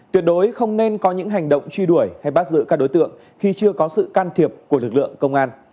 tuyệt đối không nên có những hành động truy đuổi hay bắt giữ các đối tượng khi chưa có sự can thiệp của lực lượng công an